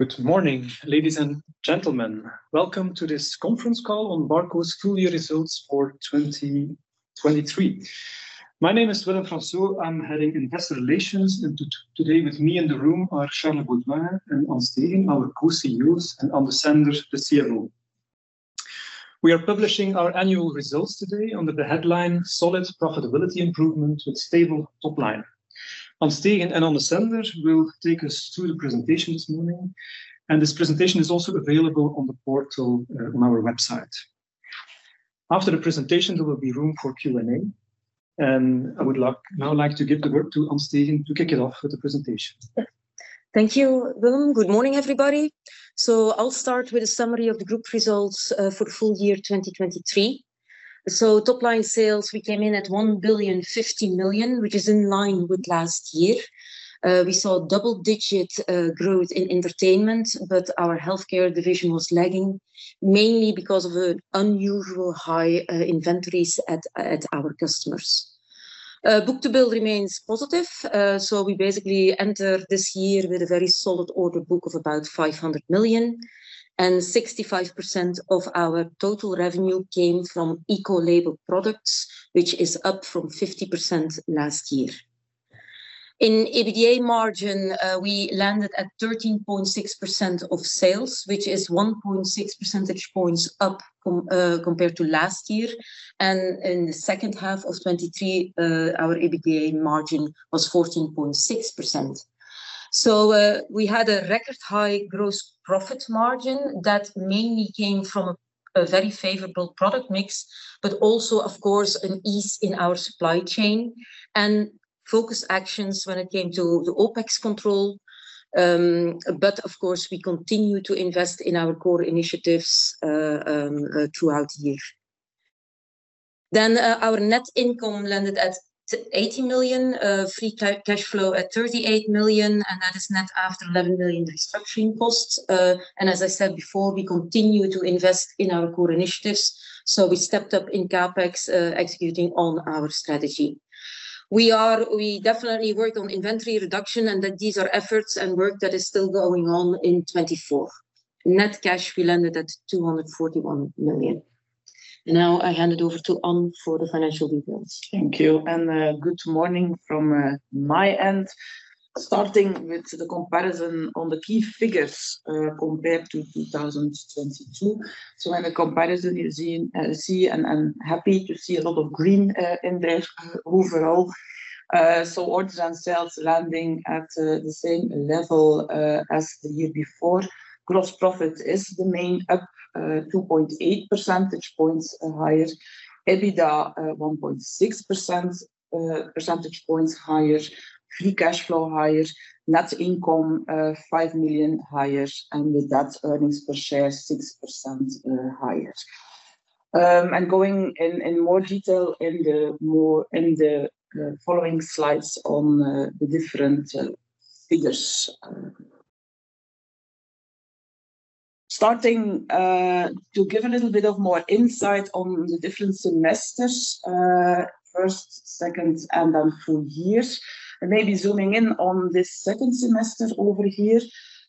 Good morning, ladies and gentlemen. Welcome to this conference call on Barco's full year results for 2023. My name is Willem Fransoo. I'm heading Investor Relations, and today with me in the room are Charles Beauduin and An Steegen, our co-CEOs, and Ann Desender, the CFO. We are publishing our annual results today under the headline, "Solid Profitability Improvement with Stable Top Line." An Steegen and Ann Desender will take us through the presentation this morning, and this presentation is also available on the portal on our website. After the presentation, there will be room for Q&A, and I would now like to give the floor to An Steegen to kick it off with the presentation. Thank you, Willem. Good morning, everybody. I'll start with a summary of the group results for full year 2023. Top line sales, we came in at 1.05 billion, which is in line with last year. We saw double-digit growth in entertainment, but our healthcare division was lagging, mainly because of the unusual high inventories at our customers. Book-to-bill remains positive, so we basically entered this year with a very solid order book of about 500 million. Sixty-five percent of our total revenue came from eco-label products, which is up from 50% last year. In EBITDA margin, we landed at 13.6% of sales, which is 1.6 percentage points up compared to last year. In the H2 of 2023, our EBITDA margin was 14.6%. We had a record high gross profit margin that mainly came from a very favorable product mix, but also, of course, an ease in our supply chain and focused actions when it came to the OpEx control. But of course, we continue to invest in our core initiatives throughout the year. Our net income landed at 80 million, free cash flow at 38 million, and that is net after 11 million restructuring costs. As I said before, we continue to invest in our core initiatives, so we stepped up in CapEx, executing on our strategy. We definitely worked on inventory reduction, and these are efforts and work that is still going on in 2024. Net cash, we landed at 241 million. Now, I hand it over to Ann for the financial details. Thank you, and good morning from my end. Starting with the comparison on the key figures, compared to 2022. So in the comparison, you see, and I'm happy to see a lot of green in there overall. So orders and sales landing at the same level as the year before. Gross profit margin up 2.8 percentage points higher. EBITDA 1.6 percentage points higher. Free cash flow higher. Net income 5 million higher, and with that, earnings per share 6% higher. And going into more detail in the following slides on the different figures. Starting to give a little bit of more insight on the different semesters, first, second, and then full years, and maybe zooming in on this second semester over here.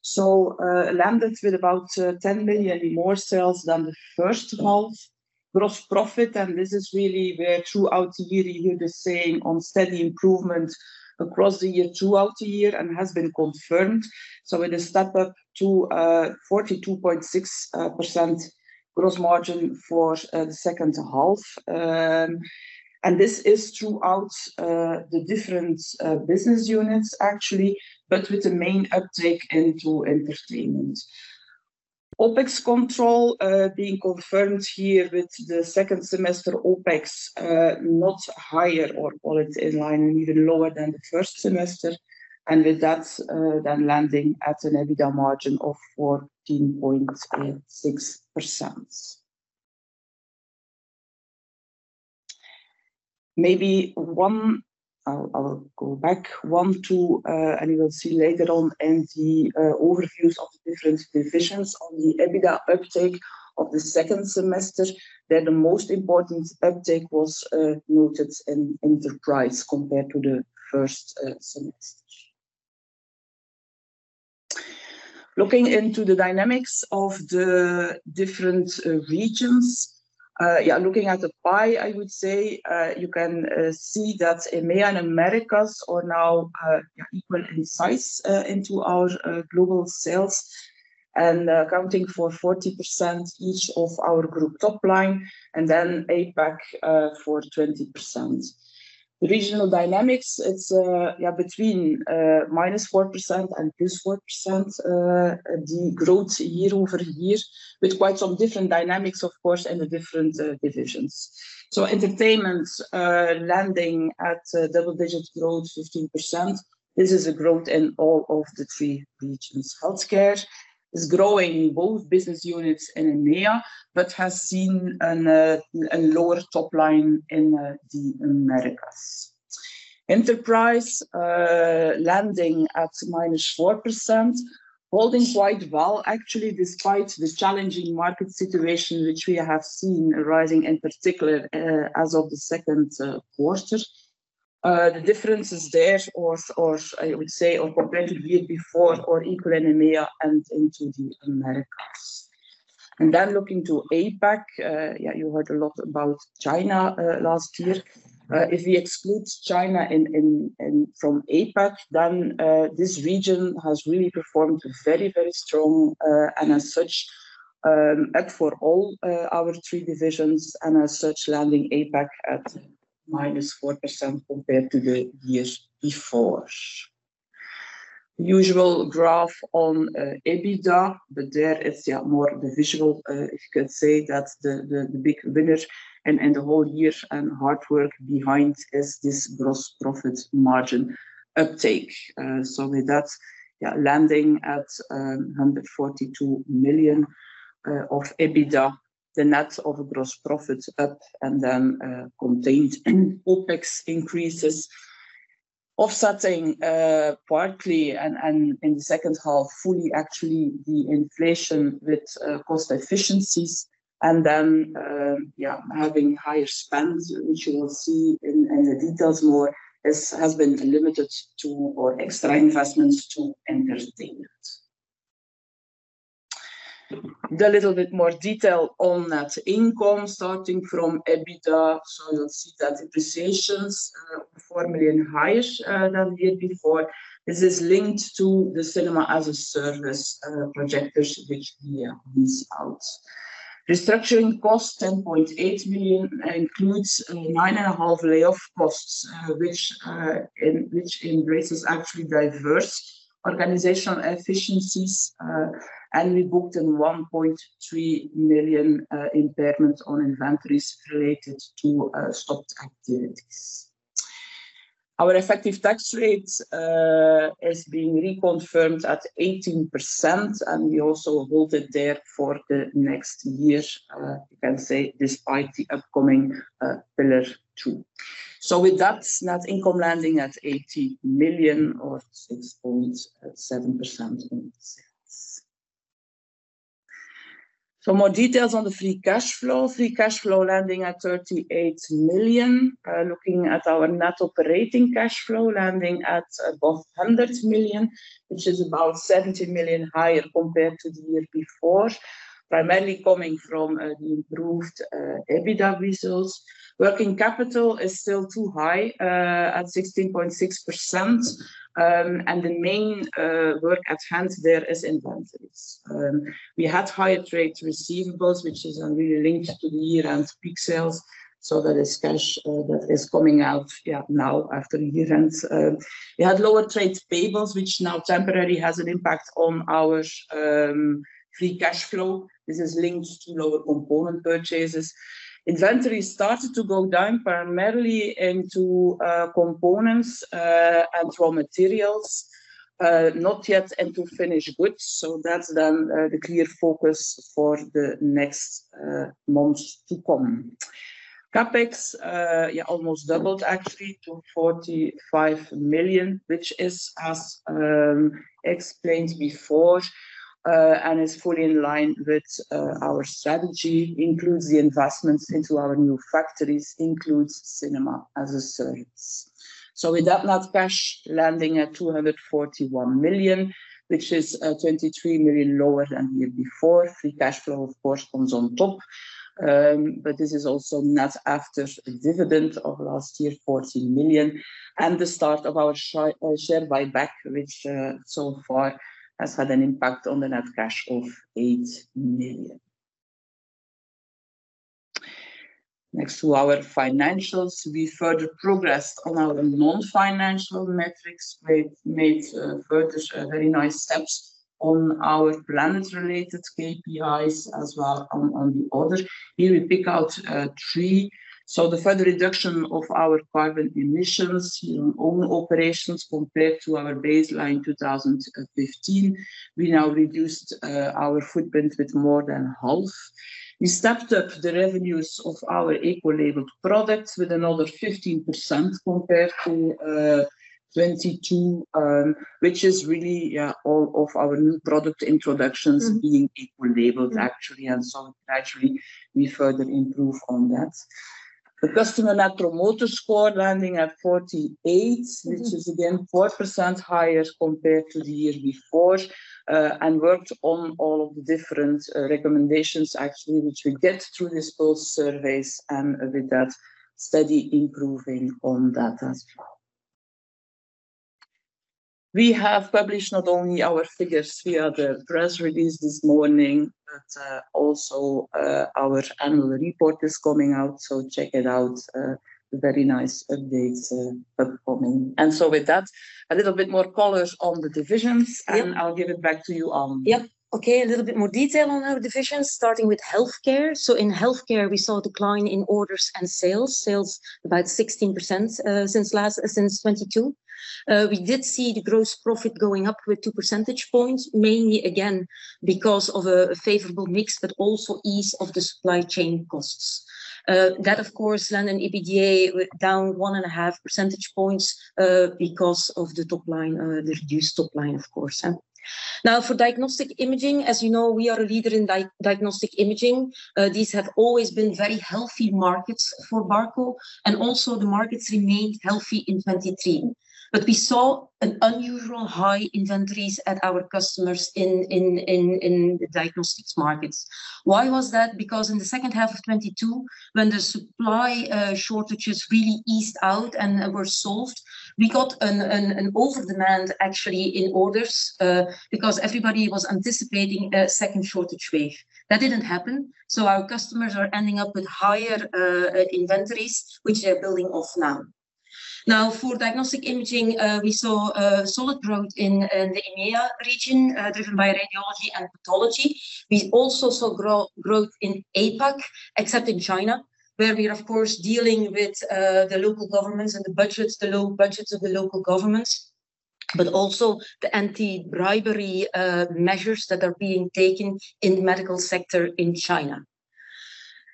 So, landed with about 10 million more sales than the first half. Gross profit, and this is really where throughout the year, you hear the same, on steady improvement across the year, throughout the year, and has been confirmed. So with a step up to 42.6% gross margin for the H2. And this is throughout the different business units, actually, but with the main uptick into entertainment. OpEx control, being confirmed here with the second semester OpEx, not higher or, or it's in line and even lower than the first semester, and with that, then landing at an EBITDA margin of 14.6%. Maybe one. I'll go back one, two, and you will see later on in the overviews of the different divisions on the EBITDA uptake of the second semester, that the most important uptake was noted in Enterprise compared to the first semester. Looking into the dynamics of the different regions, yeah, looking at the pie, I would say, you can see that EMEA and Americas are now, yeah, equal in size, into our global sales and accounting for 40% each of our group top line, and then APAC for 20%. The regional dynamics, it's, yeah, between -4% and +4%, the growth year-over-year, with quite some different dynamics, of course, in the different divisions. So entertainment, landing at double-digit growth, 15%. This is a growth in all of the three regions. Healthcare is growing, both business units in EMEA, but has seen a lower top line in the Americas. Enterprise, landing at -4%, holding quite well, actually, despite the challenging market situation, which we have seen arising in particular as of the Q2. The difference is there or, or I would say, or compared to the year before or equal in EMEA and into the Americas. Then looking to APAC, yeah, you heard a lot about China last year. If we exclude China from APAC, then this region has really performed very, very strong. And as such, and for all our three divisions, and as such, landing APAC at -4% compared to the years before. Usual graph on EBITDA, but there is, yeah, more the visual. If you can say that the big winner and the whole year and hard work behind is this gross profit margin uptake. So with that, yeah, landing at 142 million of EBITDA, the net of gross profit up and then contained OpEx increases, offsetting partly, and in the H2, fully actually, the inflation with cost efficiencies and then, yeah, having higher spends, which you will see in the details more, is has been limited to extra investments to Entertainment. A little bit more detail on net income starting from EBITDA. So you'll see that depreciations EUR 4 million higher than the year before. This is linked to the Cinema-as-a-Service projectors, which we missed out. Restructuring costs, 10.8 million, includes 9.5 layoff costs, which embraces actually diverse organizational efficiencies. And we booked a 1.3 million impairment on inventories related to stopped activities. Our effective tax rate is being reconfirmed at 18%, and we also hold it there for the next year, you can say, despite the upcoming Pillar Two. So with that net income landing at 80 million or 6.7% in sales. So more details on the free cash flow. Free cash flow landing at 38 million. Looking at our net operating cash flow landing at above 100 million, which is about 70 million higher compared to the year before, primarily coming from the improved EBITDA results. Working capital is still too high at 16.6%. And the main work at hand there is inventories. We had higher trade receivables, which is only linked to the year-end peak sales. So that is cash that is coming out, yeah, now, after year-end. We had lower trade payables, which now temporarily has an impact on our free cash flow. This is linked to lower component purchases. Inventories started to go down, primarily into components and raw materials, not yet into finished goods. So that's then the clear focus for the next months to come. CapEx, yeah, almost doubled actually to 45 million, which is, as explained before, and is fully in line with our strategy, includes the investments into our new factories, includes cinema-as-a-service. So with that net cash landing at 241 million, which is 23 million lower than the year before. Free cash flow, of course, comes on top. But this is also net after a dividend of last year, 14 million, and the start of our share buyback, which so far has had an impact on the net cash of 8 million. Next to our financials, we further progressed on our non-financial metrics. We made further very nice steps on our planet-related KPIs as well on the other. Here we pick out three. So the further reduction of our carbon emissions in own operations compared to our baseline 2015, we now reduced our footprint with more than half. We stepped up the revenues of our Eco-labeled products with another 15% compared to 2022, which is really, yeah, all of our new product introductions being Eco-labeled actually, and so naturally, we further improve on that. The customer Net Promoter Score landing at 48, which is again 4% higher compared to the year before, and worked on all of the different recommendations actually, which we get through this pulse surveys, and with that steady improving on that as well. We have published not only our figures via the press release this morning, but also our annual report is coming out, so check it out. Very nice updates upcoming. And so with that, a little bit more colors on the divisions. Yep. And I'll give it back to you. Yep. Okay, a little bit more detail on our divisions, starting with healthcare. So in healthcare, we saw a decline in orders and sales. Sales about 16%, since 2022. We did see the gross profit going up with 2 percentage points, mainly again, because of a favorable mix, but also ease of the supply chain costs. That of course landed EBITDA down 1.5 percentage points because of the top line, the reduced top line, of course. Now, for diagnostic imaging, as you know, we are a leader in diagnostic imaging. These have always been very healthy markets for Barco, and also the markets remained healthy in 2023. But we saw an unusually high inventories at our customers in the diagnostics markets. Why was that? Because in the H2 of 2022, when the supply shortages really eased out and were solved, we got an overdemand, actually, in orders because everybody was anticipating a second shortage wave. That didn't happen, so our customers are ending up with higher inventories, which they're building off now. Now, for diagnostic imaging, we saw solid growth in the EMEA region, driven by radiology and pathology. We also saw growth in APAC, except in China, where we are of course dealing with the local governments and the budgets, the low budgets of the local governments, but also the anti-bribery measures that are being taken in the medical sector in China.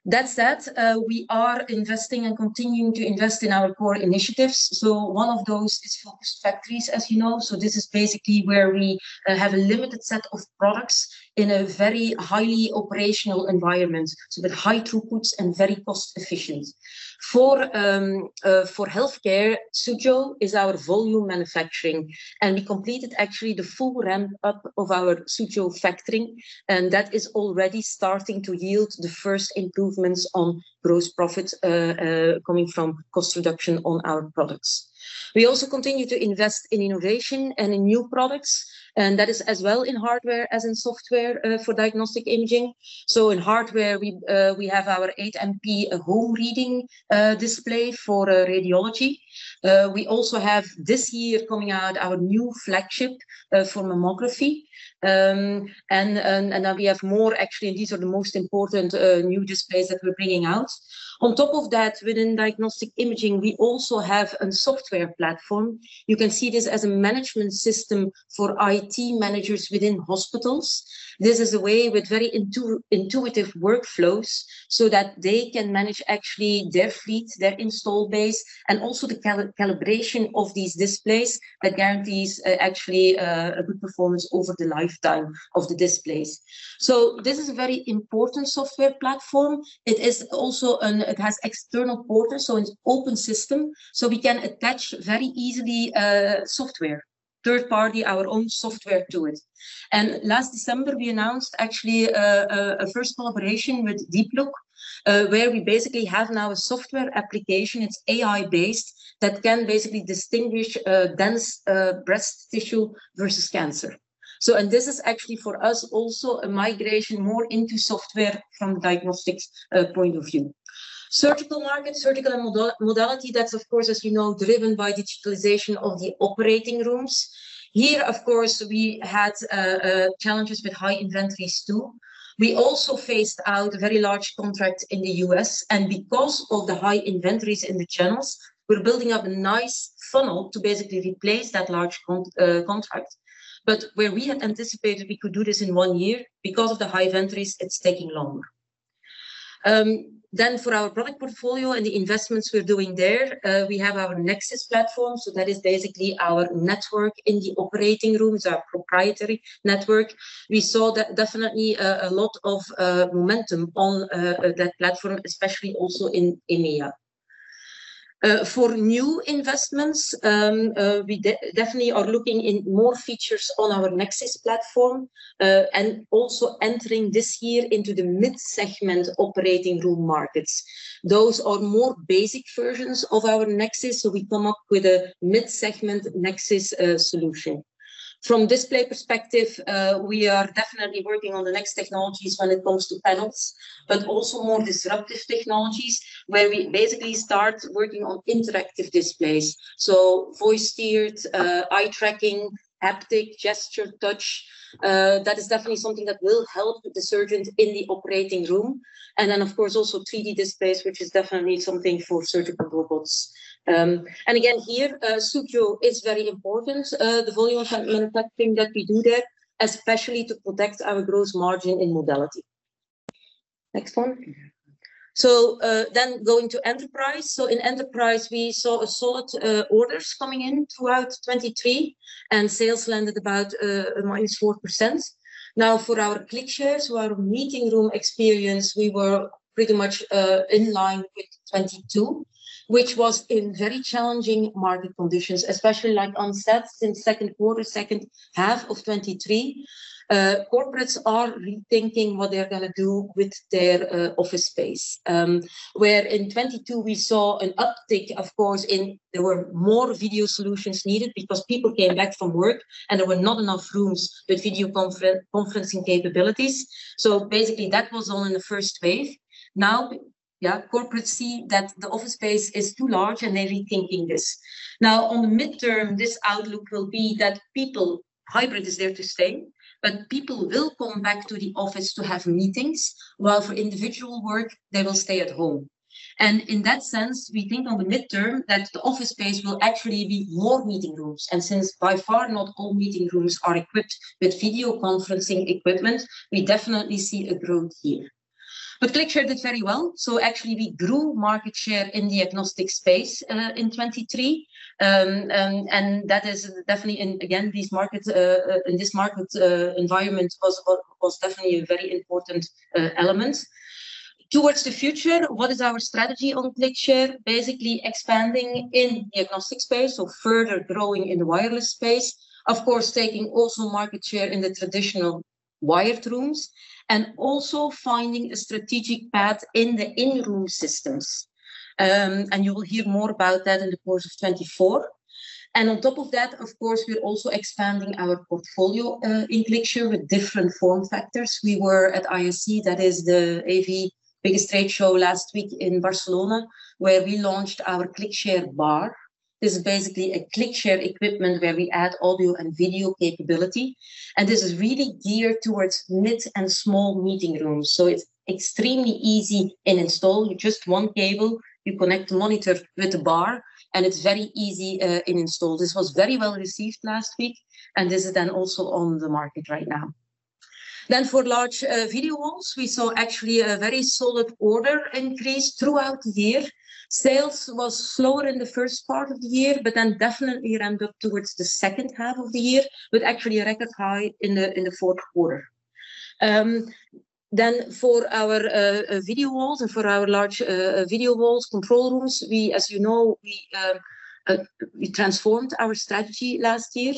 That said, we are investing and continuing to invest in our core initiatives. So one of those is focused factories, as you know. So this is basically where we have a limited set of products in a very highly operational environment, so with high throughputs and very cost efficient. For healthcare, Suzhou is our volume manufacturing, and we completed actually the full ramp-up of our Suzhou factory, and that is already starting to yield the first improvements on gross profit, coming from cost reduction on our products. We also continue to invest in innovation and in new products, and that is as well in hardware as in software, for diagnostic imaging. So in hardware, we have our 8 MP whole reading display for radiology. We also have this year coming out our new flagship for mammography. And then we have more actually, and these are the most important new displays that we're bringing out. On top of that, within diagnostic imaging, we also have a software platform. You can see this as a management system for IT managers within hospitals. This is a way with very intuitive workflows, so that they can manage actually their fleet, their install base, and also the calibration of these displays that guarantees actually a good performance over the lifetime of the displays. So this is a very important software platform. It is also an. It has external portals, so it's open system, so we can attach very easily software, third party, our own software to it. And last December, we announced actually a first collaboration with DeepLook, where we basically have now a software application, it's AI-based, that can basically distinguish dense breast tissue versus cancer. So and this is actually for us also a migration more into software from diagnostics point of view. Surgical market, surgical modality, that's of course, as you know, driven by digitalization of the operating rooms. Here, of course, we had challenges with high inventories, too. We also phased out a very large contract in the U.S., and because of the high inventories in the channels, we're building up a nice funnel to basically replace that large contract. But where we had anticipated we could do this in one year, because of the high inventories, it's taking longer. Then for our product portfolio and the investments we're doing there, we have our Nexus platform, so that is basically our network in the operating rooms, our proprietary network. We saw definitely a lot of momentum on that platform, especially also in EMEA. For new investments, we definitely are looking in more features on our Nexus platform, and also entering this year into the mid-segment operating room markets. Those are more basic versions of our Nexus, so we come up with a mid-segment Nexus solution. From display perspective, we are definitely working on the next technologies when it comes to panels, but also more disruptive technologies, where we basically start working on interactive displays. So voice-steered, eye tracking, haptic, gesture, touch, that is definitely something that will help the surgeon in the operating room. And then, of course, also 3D displays, which is definitely something for surgical robots. And again, here, Suzhou is very important. The volume of manufacturing that we do there, especially to protect our gross margin in modality. Next one. So, then going to enterprise. So in enterprise, we saw solid orders coming in throughout 2023, and sales landed about -4%. Now, for our ClickShare, our meeting room experience, we were pretty much in line with 2022, which was in very challenging market conditions, especially onsets in Q2, H2 of 2023. Corporates are rethinking what they're going to do with their office space. Where in 2022 we saw an uptick, of course, in that there were more video solutions needed because people came back from work, and there were not enough rooms with video conferencing capabilities. So basically, that was all in the first wave. Now, corporates see that the office space is too large, and they're rethinking this. Now, on the midterm, this outlook will be that people... Hybrid is there to stay, but people will come back to the office to have meetings, while for individual work, they will stay at home. In that sense, we think on the midterm that the office space will actually be more meeting rooms, and since by far not all meeting rooms are equipped with video conferencing equipment, we definitely see a growth here. But ClickShare did very well, so actually we grew market share in the agnostic space in 2023. And that is definitely in, again, these markets, in this market environment was definitely a very important element. Towards the future, what is our strategy on ClickShare? Basically expanding in the agnostic space, so further growing in the wireless space. Of course, taking also market share in the traditional wired rooms, and also finding a strategic path in the in-room systems. You will hear more about that in the course of 2024. On top of that, of course, we're also expanding our portfolio in ClickShare with different form factors. We were at ISE, that is the AV biggest trade show last week in Barcelona, where we launched our ClickShare Bar. This is basically a ClickShare equipment where we add audio and video capability, and this is really geared towards mid and small meeting rooms. So it's extremely easy to install. With just one cable, you connect the monitor with the bar, and it's very easy to install. This was very well received last week, and this is then also on the market right now. Then for large video walls, we saw actually a very solid order increase throughout the year. Sales was slower in the first part of the year, but then definitely ramped up towards the H2 of the year, with actually a record high in the fourth quarter. Then for our video walls and for our large video walls, control rooms, we, as you know, transformed our strategy last year.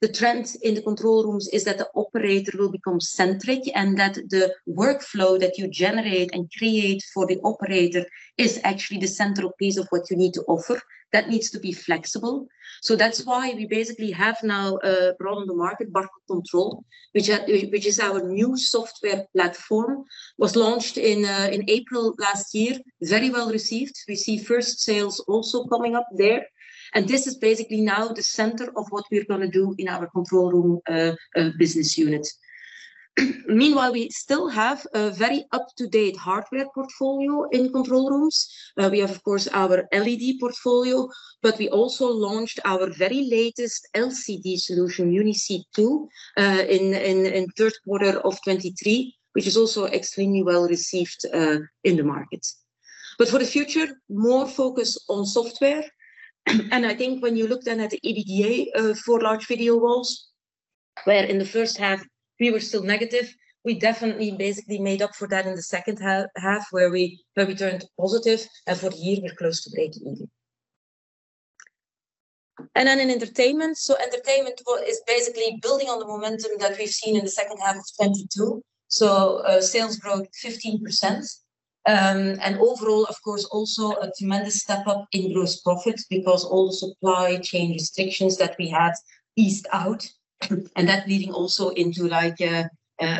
The trend in the control rooms is that the operator will become centric, and that the workflow that you generate and create for the operator is actually the central piece of what you need to offer. That needs to be flexible. So that's why we basically have now brought on the market Barco Control, which is our new software platform. Was launched in April last year. Very well received. We see first sales also coming up there, and this is basically now the center of what we're gonna do in our control room business unit. Meanwhile, we still have a very up-to-date hardware portfolio in control rooms, where we have, of course, our LED portfolio, but we also launched our very latest LCD solution, UniSee II, in Q3 of 2023, which is also extremely well received in the market. But for the future, more focus on software. And I think when you look then at the EBITDA for large video walls, where in the first half we were still negative, we definitely basically made up for that in the H2, where we turned positive, and for the year, we're close to break even. Then in entertainment, so entertainment wall is basically building on the momentum that we've seen in the H2 of 2022. So, sales growth, 15%. And overall, of course, also a tremendous step up in gross profits, because all the supply chain restrictions that we had eased out, and that leading also into, like, a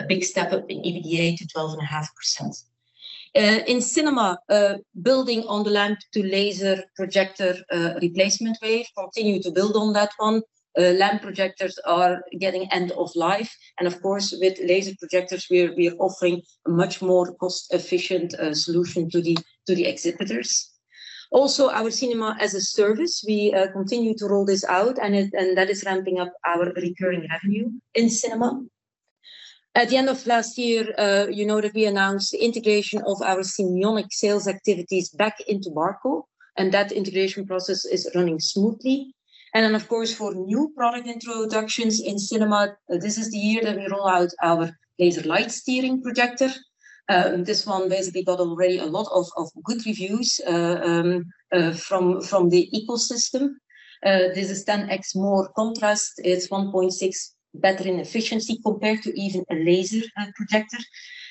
big step up in EBITDA to 12.5%. In cinema, building on the lamp-to-laser projector replacement wave, continue to build on that one. Lamp projectors are getting end of life, and of course, with laser projectors, we're offering a much more cost-efficient solution to the exhibitors. Also, our Cinema-as-a-Service, we continue to roll this out, and that is ramping up our recurring revenue in cinema. At the end of last year, you know that we announced the integration of our Cinionic sales activities back into Barco, and that integration process is running smoothly. And then, of course, for new product introductions in cinema, this is the year that we roll out our laser Lightsteering projector. This one basically got already a lot of good reviews from the ecosystem. This is 10x more contrast. It's 1.6 better in efficiency compared to even a laser projector.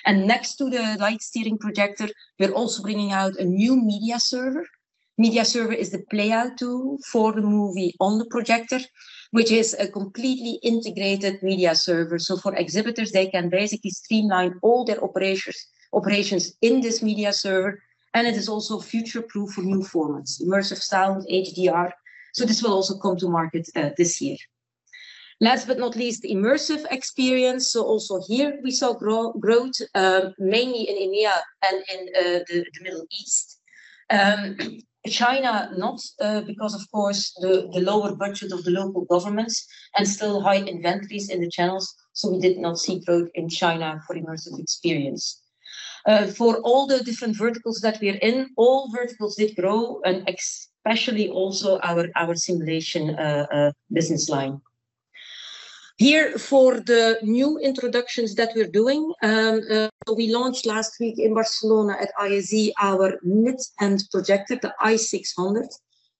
And next to the Lightsteering projector, we're also bringing out a new media server. Media server is the playout tool for the movie on the projector, which is a completely integrated media server. So for exhibitors, they can basically streamline all their operations, operations in this media server, and it is also future-proof for new formats, immersive sound, HDR, so this will also come to market this year. Last but not least, immersive experience. So also here we saw growth, mainly in India and in the Middle East. China, not, because of course, the lower budget of the local governments and still high inventories in the channels, so we did not see growth in China for immersive experience. For all the different verticals that we are in, all verticals did grow, and especially also our simulation business line. Here, for the new introductions that we're doing, we launched last week in Barcelona at ISE, our mid-end projector, the i600.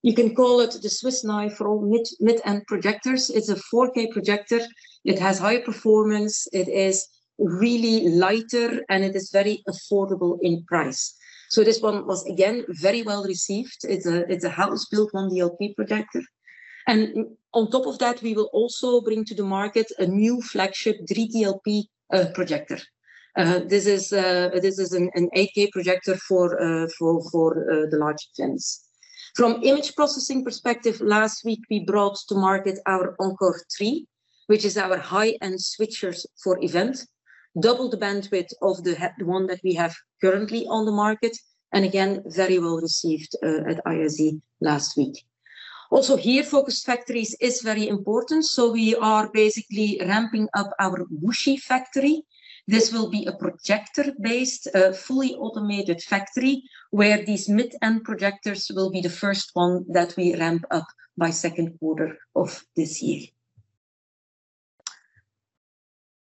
You can call it the Swiss knife for mid, mid-end projectors. It's a 4K projector. It has high performance, it is really lighter, and it is very affordable in price. So this one was, again, very well received. It's a, it's a house-built 1 DLP projector, and on top of that, we will also bring to the market a new flagship 3 DLP projector. This is, this is an, an 8K projector for, for, for, the large lens. From image processing perspective, last week we brought to market our Encore3, which is our high-end switchers for event. Double the bandwidth of the, the one that we have currently on the market, and again, very well received, at ISE last week. Also, here, focused factories is very important, so we are basically ramping up our Wuxi factory. This will be a projector-based, fully automated factory, where these mid-end projectors will be the first one that we ramp up by Q2 of this year.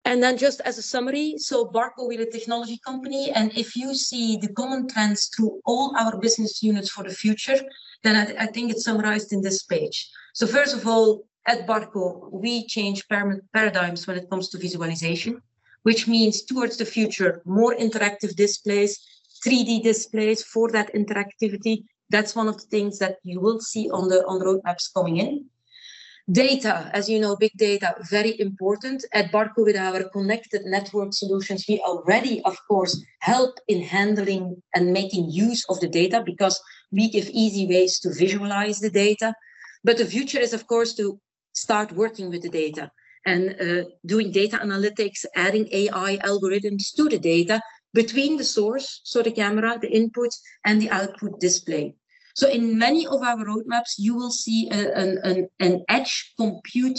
Then just as a summary, Barco, we're a technology company, and if you see the common trends through all our business units for the future, then I think it's summarized in this page. First of all, at Barco, we change paradigms when it comes to visualization, which means towards the future, more interactive displays, 3D displays for that interactivity. That's one of the things that you will see on the roadmaps coming in. Data, as you know, big data, very important. At Barco, with our connected network solutions, we already, of course, help in handling and making use of the data, because we give easy ways to visualize the data. The future is, of course, to start working with the data and doing data analytics, adding AI algorithms to the data between the source, so the camera, the input, and the output display. So in many of our roadmaps, you will see an edge compute,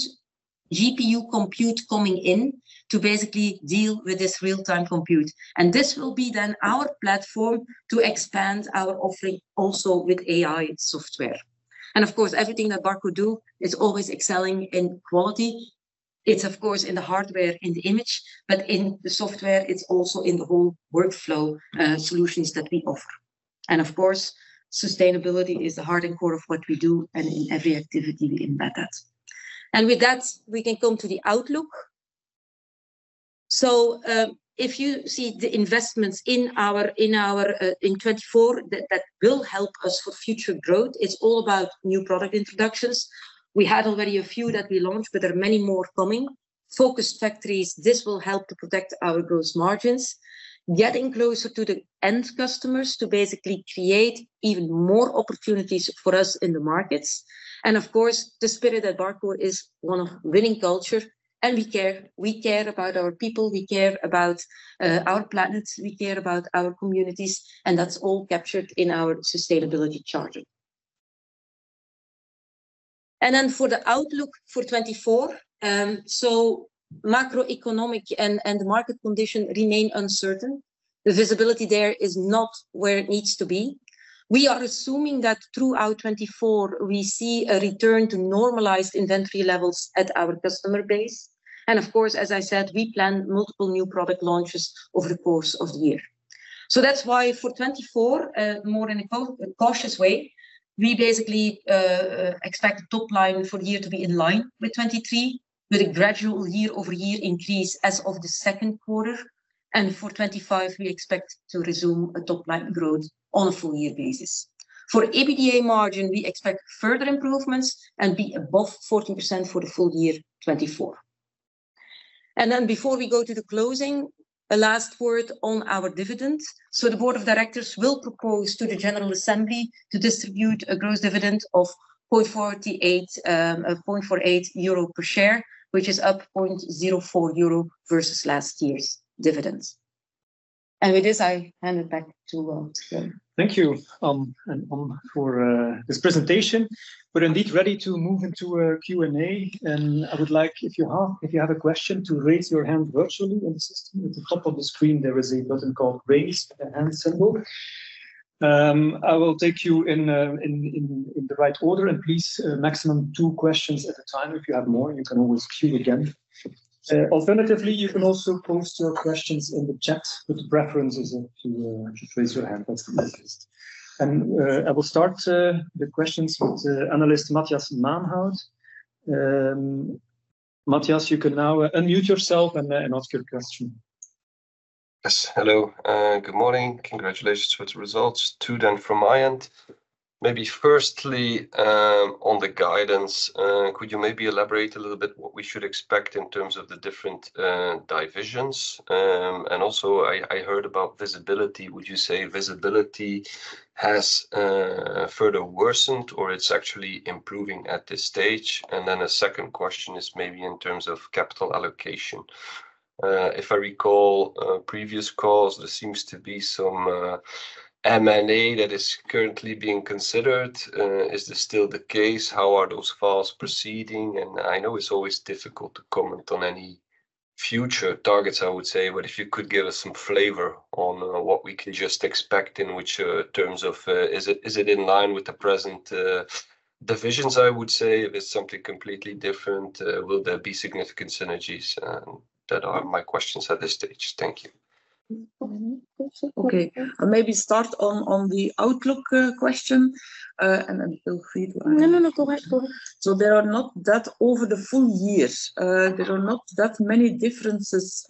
GPU compute coming in to basically deal with this real-time compute. And this will be then our platform to expand our offering also with AI software. And of course, everything that Barco do is always excelling in quality. It's of course in the hardware, in the image, but in the software, it's also in the whole workflow solutions that we offer. And of course, sustainability is the heart and core of what we do, and in every activity, we embed that. And with that, we can come to the outlook. So, if you see the investments in our in 2024, that will help us for future growth, it's all about new product introductions. We had already a few that we launched, but there are many more coming. Focused factories, this will help to protect our gross margins. Getting closer to the end customers, to basically create even more opportunities for us in the markets. And of course, the spirit at Barco is one of winning culture, and we care. We care about our people, we care about our planet, we care about our communities, and that's all captured in our sustainability charter. And then for the outlook for 2024, so macroeconomic and market condition remain uncertain. The visibility there is not where it needs to be. We are assuming that throughout 2024, we see a return to normalized inventory levels at our customer base, and of course, as I said, we plan multiple new product launches over the course of the year. So that's why for 2024, more in a cautious way, we basically expect top-line for the year to be in line with 2023, with a gradual year-over-year increase as of the Q2. And for 2025, we expect to resume a top-line growth on a full year basis. For EBITDA margin, we expect further improvements and be above 14% for the full year 2024. And then before we go to the closing, a last word on our dividend. The board of directors will propose to the general assembly to distribute a gross dividend of 0.48, of 0.48 EUR per share, which is up 0.04 euro versus last year's dividends. With this, I hand it back to Willem. Thank you, Ann, for this presentation. We're indeed ready to move into a Q&A, and I would like, if you have a question, to raise your hand virtually in the system. At the top of the screen, there is a button called Raise the Hand symbol. I will take you in the right order, and please, maximum two questions at a time. If you have more, you can always queue again. Alternatively, you can also post your questions in the chat, but the preference is to just raise your hand. That's the best. I will start the questions with analyst Matthias Maenhaut. Matthias, you can now unmute yourself and ask your question. Yes, hello, good morning. Congratulations with the results, too, then from my end. Maybe firstly, on the guidance, could you maybe elaborate a little bit what we should expect in terms of the different divisions? And also, I heard about visibility. Would you say visibility has further worsened, or it's actually improving at this stage? And then a second question is maybe in terms of capital allocation. If I recall, previous calls, there seems to be some M&A that is currently being considered. Is this still the case? How are those files proceeding? And I know it's always difficult to comment on any future targets, I would say, but if you could give us some flavor on what we can just expect, in which terms of... Is it in line with the present divisions? I would say, if it's something completely different, will there be significant synergies? That are my questions at this stage. Thank you. Okay. I maybe start on the outlook question, and then feel free to- No, no, no. Go ahead. Go. So there are not that over the full years, there are not that many differences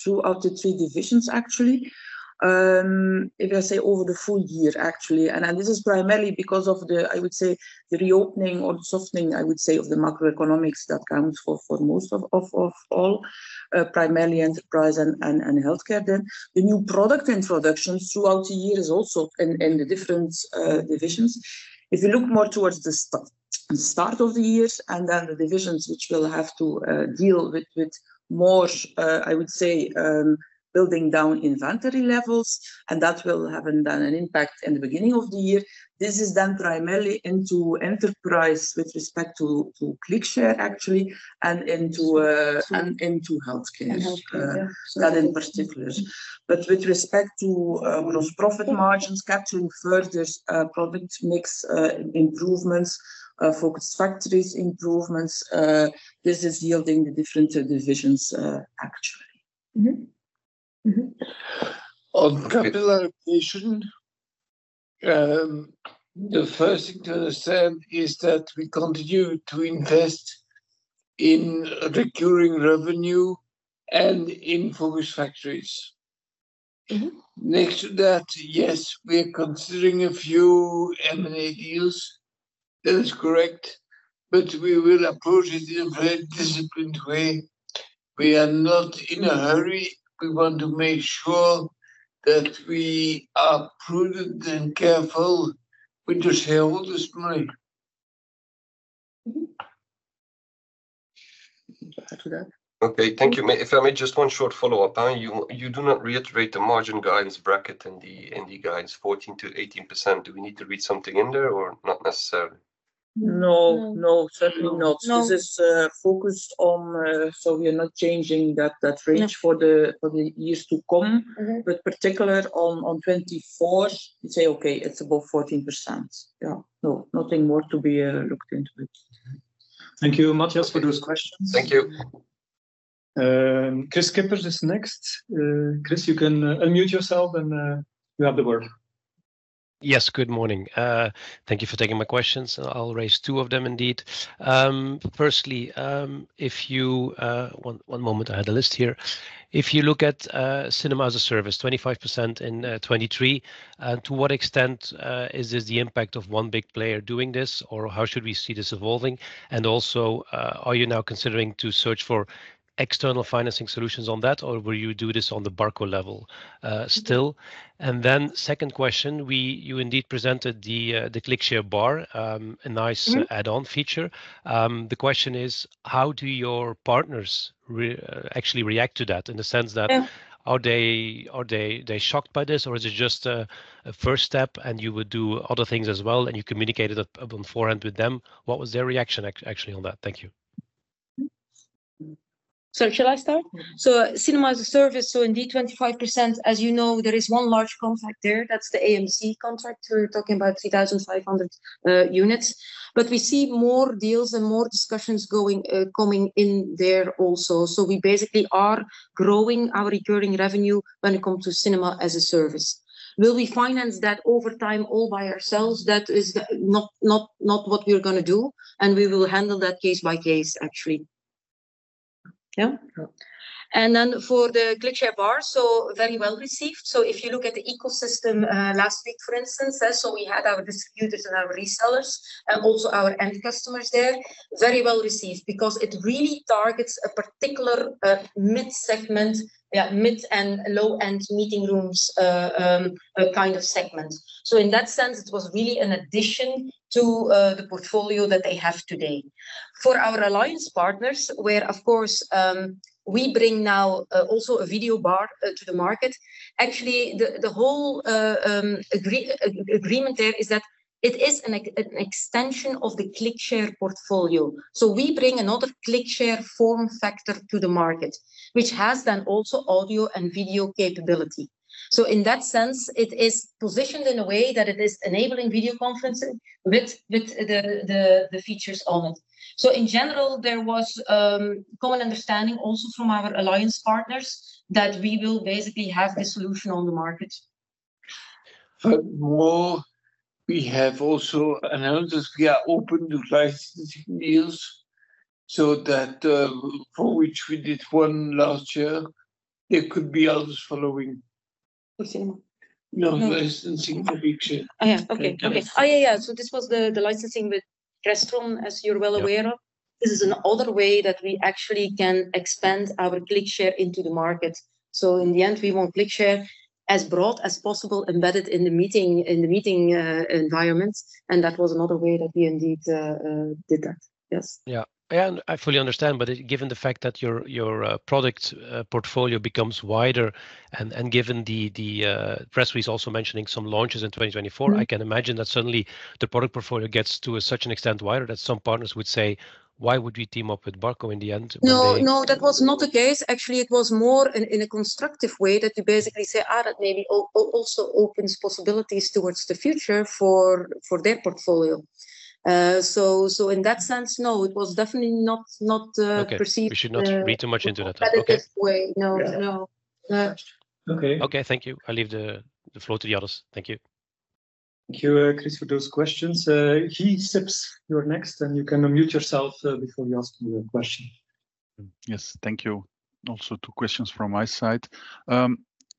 throughout the three divisions, actually. If I say over the full year, actually, and, and this is primarily because of the, I would say, the reopening or the softening, I would say, of the macroeconomics that comes for, for most of, of, of all, primarily enterprise and, and, and healthcare. Then the new product introductions throughout the years also in, in the different, divisions. If you look more towards the start-... the start of the years, and then the divisions which will have to deal with more, I would say, building down inventory levels, and that will have then an impact in the beginning of the year. This is done primarily into enterprise with respect to ClickShare actually, and into healthcare- Healthcare. That in particular. But with respect to gross profit margins, capturing further product mix improvements, focused factories improvements, this is yielding the different divisions actually. Mm-hmm. Mm-hmm. On capitalization, the first thing to understand is that we continue to invest in recurring revenue and in focused factories. Mm-hmm. Next to that, yes, we are considering a few M&A deals. That is correct, but we will approach it in a very disciplined way. We are not in a hurry. We want to make sure that we are prudent and careful with this here, with this money. Mm-hmm. After that? Okay, thank you. May I, if I may, just one short follow-up item. You do not reiterate the margin guidance bracket in the guidance 14%-18%. Do we need to read something in there or not necessarily? No, no, certainly not. No. This is focused on... So we are not changing that range- Yeah for the years to come. Mm-hmm. But particularly on 2024, we say, "Okay, it's above 14%." Yeah. No, nothing more to be looked into it. Thank you, Matthias, for those questions. Thank you. Kris Kippers is next. Kris, you can unmute yourself, and you have the word. Yes, good morning. Thank you for taking my questions. I'll raise two of them indeed. Firstly, if you... One moment, I had a list here. If you look at Cinema-as-a-Service, 25% in 2023, to what extent is this the impact of one big player doing this, or how should we see this evolving? And also, are you now considering to search for external financing solutions on that, or will you do this on the Barco level, still? And then second question, you indeed presented the ClickShare Bar, a nice- Mm-hmm add-on feature. The question is: how do your partners actually react to that, in the sense that- Yeah are they shocked by this, or is it just a first step and you would do other things as well, and you communicated it up front with them? What was their reaction actually on that? Thank you. Shall I start? Mm-hmm. So Cinema-as-a-Service, so indeed, 25%. As you know, there is one large contract there. That's the AMC contract. We're talking about 3,500 units. But we see more deals and more discussions going, coming in there also. So we basically are growing our recurring revenue when it comes to Cinema-as-a-Service. Will we finance that over time all by ourselves? That is not what we're gonna do, and we will handle that case by case, actually. Yeah? Yeah. Then for the ClickShare Bar, very well received. So if you look at the ecosystem, last week, for instance, we had our distributors and our resellers, and also our end customers there. Very well received, because it really targets a particular mid-segment, mid and low-end meeting rooms, kind of segment. So in that sense, it was really an addition to the portfolio that they have today. For our alliance partners, where, of course, we bring now also a video bar to the market, actually, the whole agreement there is that it is an extension of the ClickShare portfolio. So we bring another ClickShare form factor to the market, which has then also audio and video capability. So in that sense, it is positioned in a way that it is enabling video conferencing with the features on it. So in general, there was common understanding also from our alliance partners that we will basically have a solution on the market. But more, we have also announced we are open to licensing deals, so that, for which we did one last year, there could be others following. The same. No, licensing for ClickShare. Oh, yeah. Okay. Yes. Okay. Oh, yeah, yeah. So this was the licensing with Crestron, as you're well aware of. Yeah. This is another way that we actually can expand our ClickShare into the market. So in the end, we want ClickShare as broad as possible, embedded in the meeting, in the meeting, environments, and that was another way that we indeed did that. Yes. Yeah, and I fully understand, but given the fact that your product portfolio becomes wider, and given the press release also mentioning some launches in 2024- Mm I can imagine that suddenly the product portfolio gets to such an extent wider that some partners would say: "Why would we team up with Barco in the end when they- No, no, that was not the case. Actually, it was more in a constructive way that you basically say, "Ah, that maybe also opens possibilities towards the future for their portfolio." So in that sense, no, it was definitely not perceived- Okay, we should not read too much into that. Positive way. Okay. No, no. Okay. Okay, thank you. I leave the floor to the others. Thank you. Thank you, Kris, for those questions. Guy Sips, you're next, and you can unmute yourself before you ask me your question. Yes. Thank you. Also, two questions from my side.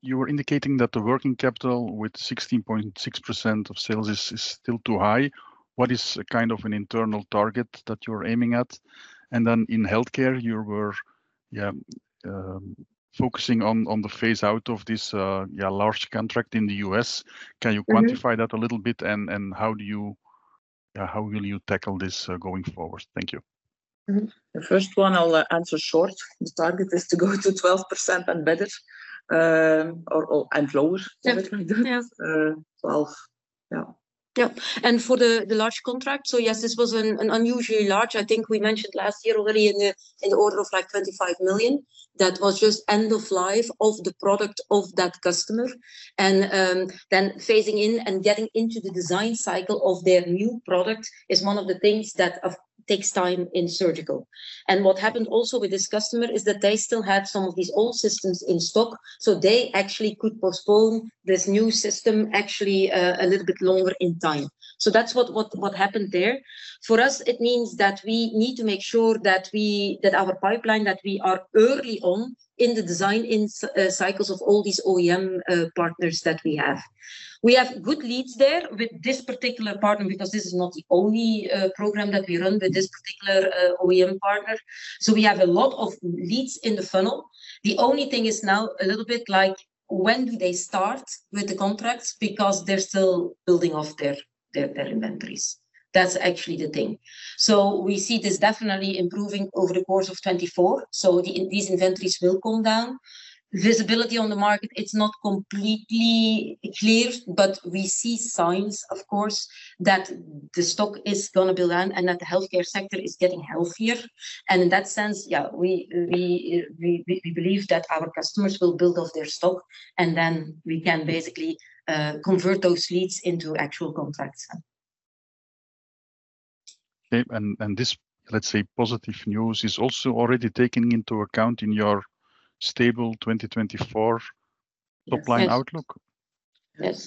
You were indicating that the working capital with 16.6% of sales is, is still too high. What is kind of an internal target that you're aiming at? And then in healthcare, you were focusing on, on the phase out of this large contract in the US, can you- Mm-hmm Quantify that a little bit? And how do you—yeah, how will you tackle this going forward? Thank you. Mm-hmm. The first one I'll answer short. The target is to go to 12% and better, or and lower. Yeah. 12, yeah. Yeah. And for the large contract, so yes, this was an unusually large. I think we mentioned last year already in the order of like 25 million, that was just end of life of the product of that customer. And then phasing in and getting into the design cycle of their new product is one of the things that takes time in surgical. And what happened also with this customer is that they still had some of these old systems in stock, so they actually could postpone this new system actually a little bit longer in time. So that's what happened there. For us, it means that we need to make sure that we, that our pipeline, that we are early on in the design cycles of all these OEM partners that we have. We have good leads there with this particular partner, because this is not the only program that we run with this particular OEM partner. So we have a lot of leads in the funnel. The only thing is now a little bit like, when do they start with the contracts? Because they're still building off their inventories. That's actually the thing. So we see this definitely improving over the course of 2024. So these inventories will come down. Visibility on the market, it's not completely clear, but we see signs, of course, that the stock is gonna build down and that the healthcare sector is getting healthier. And in that sense, yeah, we believe that our customers will build off their stock, and then we can basically convert those leads into actual contracts. Okay. This, let's say, positive news is also already taken into account in your stable 2024- Yes -top-line outlook? Yes.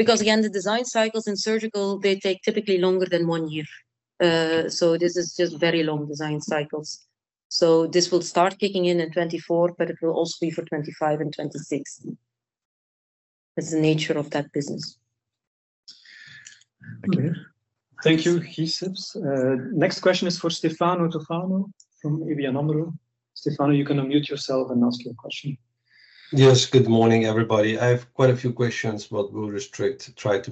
Because, again, the design cycles in surgical, they take typically longer than one year. So this is just very long design cycles. So this will start kicking in in 2024, but it will also be for 2025 and 2026. That's the nature of that business. Okay. Thank you, Guy Sips. Next question is for Stefano Toffano from ABN AMRO. Stefano, you can unmute yourself and ask your question. Yes, good morning, everybody. I have quite a few questions, but we'll try to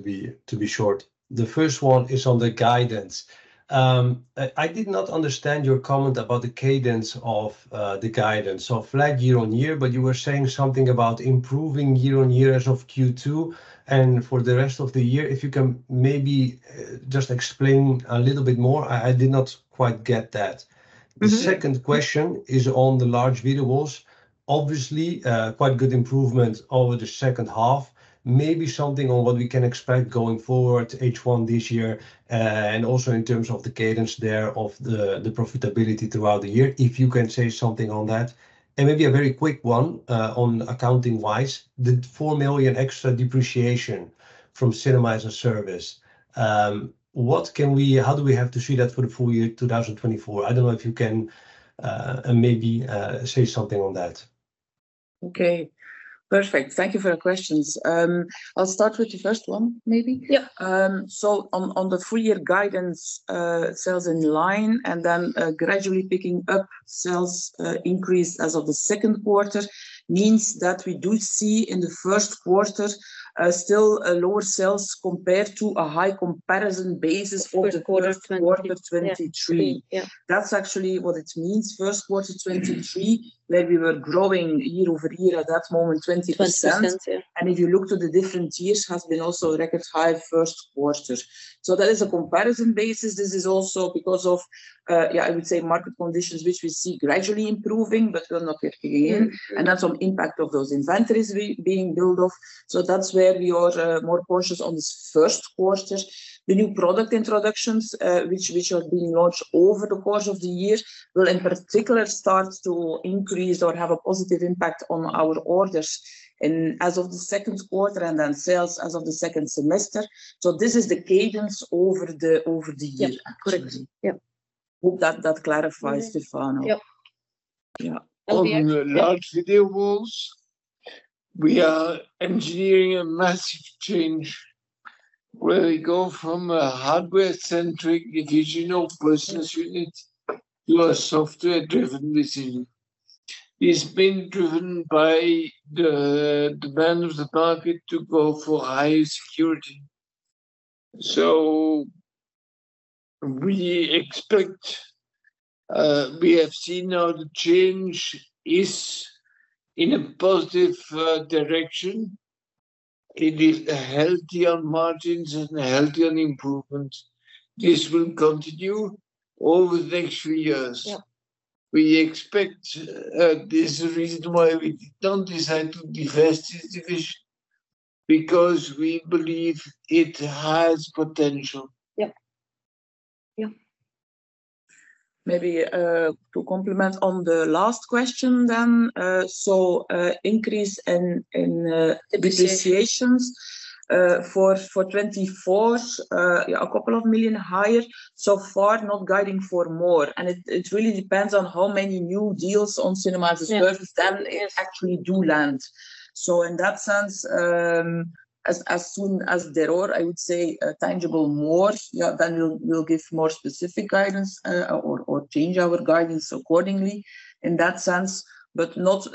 be short. The first one is on the guidance. I, I did not understand your comment about the cadence of the guidance. So flat year-over-year, but you were saying something about improving year-over-year as of Q2, and for the rest of the year. If you can maybe just explain a little bit more. I, I did not quite get that. Mm-hmm. The second question is on the large video walls. Obviously, quite good improvement over the H2. Maybe something on what we can expect going forward, H1 this year, and also in terms of the cadence there of the profitability throughout the year, if you can say something on that. And maybe a very quick one, on accounting-wise, the 4 million extra depreciation from Cinema-as-a-Service. What can we—how do we have to see that for the full year 2024? I don't know if you can, maybe, say something on that. Okay, perfect. Thank you for your questions. I'll start with the first one, maybe. Yeah. So, on the full year guidance, sales in line, and then gradually picking up sales increase as of the Q2, means that we do see in the Q1 still a lower sales compared to a high comparison basis for the- Q1 quarter of 2023. Yeah. That's actually what it means. Q1 2023, where we were growing year-over-year at that moment, 20%. 20%, yeah. If you look to the different years, has been also record high Q1. So that is a comparison basis. This is also because of, yeah, I would say market conditions, which we see gradually improving, but we're not yet there. Mm-hmm. And then some impact of those inventories we being built off. So that's where we are, more cautious on this Q1. The new product introductions, which are being launched over the course of the year, will in particular start to increase or have a positive impact on our orders in as of the Q2, and then sales as of the second semester. So this is the cadence over the year. Yeah, correct. Yeah. Hope that clarifies, Stefano. Yeah. Yeah. And for the? On the large video walls, we are engineering a massive change, where we go from a hardware-centric, divisional business unit to a software-driven division. It's been driven by the demand of the market to go for higher security. So we expect, we have seen now the change is in a positive direction. It is healthy on margins and healthy on improvements. This will continue over the next few years. Yeah. We expect this is the reason why we don't decide to divest this division, because we believe it has potential. Yeah. Yeah. Maybe to complement on the last question then, so increase in, in- Depreciation depreciations for 2024, yeah, 2 million higher. So far, not guiding for more, and it really depends on how many new deals on Cinema-as-a-Service- Yes then actually do land. So in that sense, as soon as there are, I would say, a tangible more, then we'll give more specific guidance, or change our guidance accordingly in that sense, but not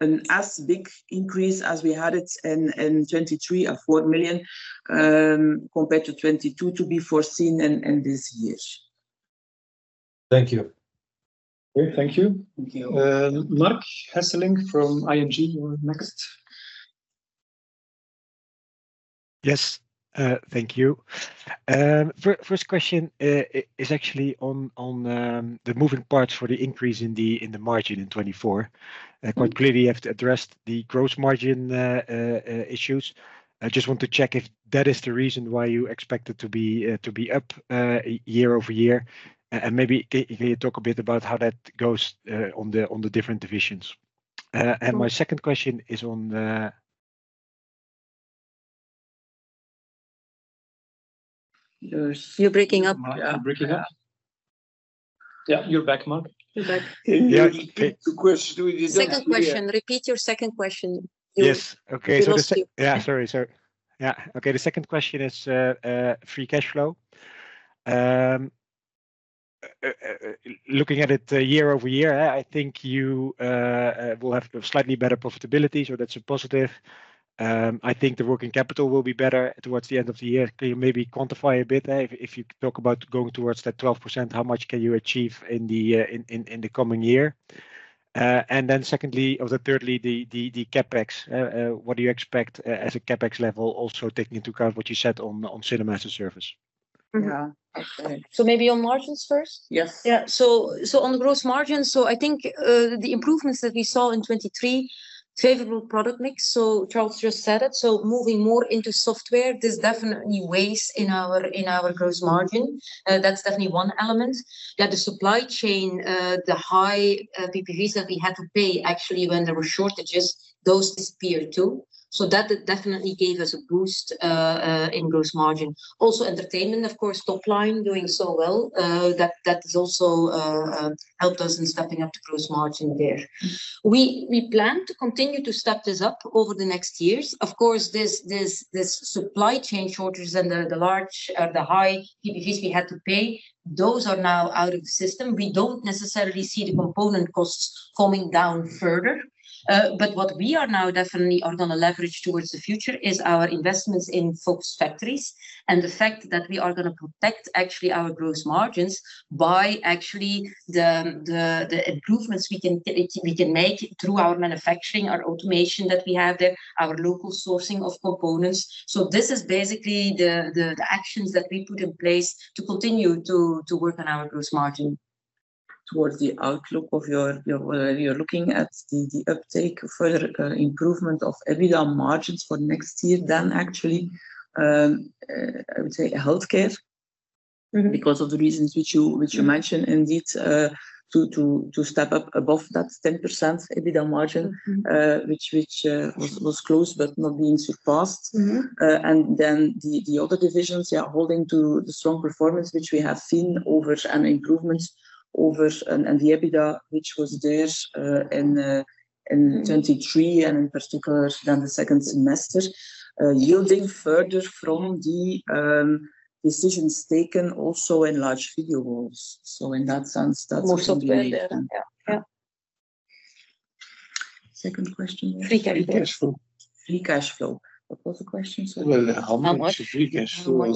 an as big increase as we had it in 2023 of 4 million compared to 2022 to be foreseen in this year. Thank you. Okay. Thank you. Thank you. Marc Hesselink from ING, you're next. Yes, thank you. First question is actually on the moving parts for the increase in the margin in 2024. Quite clearly, you have to address the gross margin issues. I just want to check if that is the reason why you expect it to be up year-over-year. And maybe can you talk a bit about how that goes on the different divisions? And my second question is on- You're- You're breaking up. You're breaking up. Yeah, you're back, Marc. You're back. Yeah, okay. The question, we didn't hear. Second question. Repeat your second question. Yes. Okay. We lost you. Yeah, sorry, sorry. Yeah, okay, the second question is, free cash flow. Looking at it year-over-year, I think you will have slightly better profitability, so that's a positive. I think the working capital will be better towards the end of the year. Can you maybe quantify a bit, if you talk about going towards that 12%, how much can you achieve in the, in the coming year? And then secondly... or the thirdly, the, the CapEx. What do you expect as a CapEx level, also taking into account what you said on, on Cinema-as-a-Service? Yeah. Maybe on margins first? Yes. Yeah. So on gross margin, so I think the improvements that we saw in 2023, favorable product mix, so Charles just said it, so moving more into software, there's definitely ways in our, in our gross margin. That's definitely one element. Yeah, the supply chain, the high PPVs that we had to pay actually when there were shortages, those disappeared, too. So that definitely gave us a boost in gross margin. Also, entertainment, of course, top line doing so well, that has also helped us in stepping up the gross margin there. We plan to continue to step this up over the next years. Of course, this supply chain shortages and the large, the high PPVs we had to pay, those are now out of the system. We don't necessarily see the component costs coming down further, but what we are now definitely going to leverage towards the future is our investments in focused factories and the fact that we are going to protect actually our gross margins by actually the improvements we can make through our manufacturing, our automation that we have there, our local sourcing of components. So this is basically the actions that we put in place to continue to work on our gross margin. Towards the outlook, you're looking at the uptake, further improvement of EBITDA margins for next year, then actually, I would say healthcare- Mm-hmm. -because of the reasons which you mentioned, indeed, to step up above that 10% EBITDA margin- Mm-hmm. which was close, but not being surpassed. Mm-hmm. And then the other divisions, yeah, holding to the strong performance, which we have seen over an improvement over, and the EBITDA, which was there in 2023 and in particular than the second semester, yielding further from the decisions taken also in large video walls. So in that sense, that's- More so there. Yeah. Yeah. Second question? Free cash flow. Free cash flow. Free cash flow. What was the question, sorry? Well, how much free cash flow?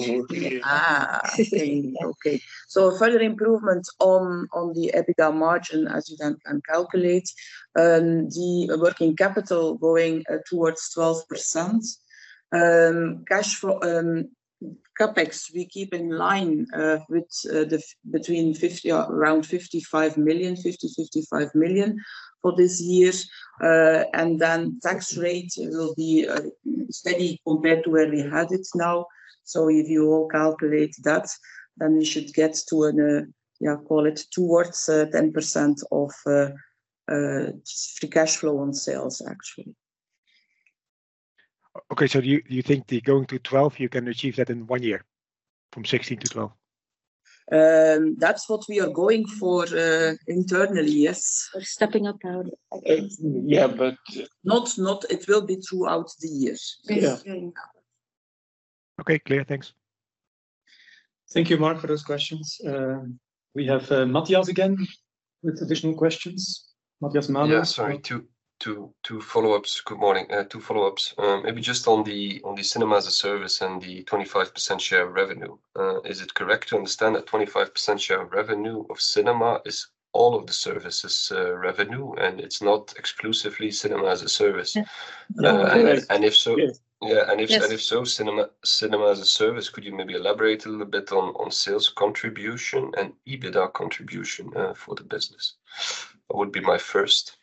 So further improvement on, on the EBITDA margin, as you then can calculate, the working capital going towards 12%. Cash flow, CapEx, we keep in line with the between 50 or around 55 million, 50, 55 million for this year. And then tax rate will be steady compared to where we had it now. So if you calculate that, then we should get to an, yeah, call it towards 10% of free cash flow on sales, actually. Okay, so do you think the going to 12, you can achieve that in one year, from 16 to 12? That's what we are going for, internally, yes. We're stepping up now. Yeah, but- It will be throughout the years. Yes. Yeah. Okay, clear. Thanks. Thank you, Marc, for those questions. We have Matthias again with additional questions. Matthias Maenhaut. Yeah, sorry, two follow-ups. Good morning. Two follow-ups. Maybe just on the Cinema-as-a-Service and the 25% share of revenue. Is it correct to understand that 25% share of revenue of cinema is all of the services revenue, and it's not exclusively Cinema-as-a-Service? Yes. And if so- Yes. Yeah, and if- Yes and if so, cinema, Cinema-as-a-Service, could you maybe elaborate a little bit on sales contribution and EBITDA contribution for the business? That would be my first.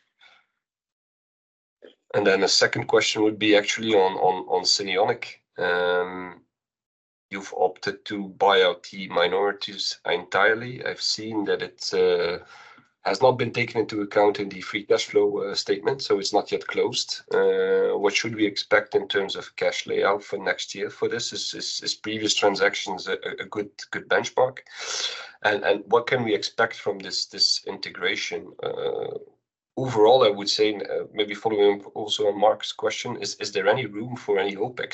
And then the second question would be actually on Cinionic. You've opted to buy out the minorities entirely. I've seen that it has not been taken into account in the free cash flow statement, so it's not yet closed. What should we expect in terms of cash layout for next year for this? Is previous transactions a good benchmark? And what can we expect from this integration? Overall, I would say, maybe following up also on Marc's question, is there any room for any OpEx